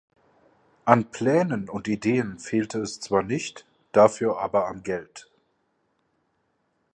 An Plänen und Ideen fehlte es zwar nicht, dafür aber am Geld.